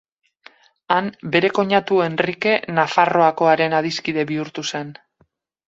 Han bere koinatu Henrike Nafarroakoaren adiskide bihurtu zen.